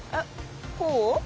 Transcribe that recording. こう？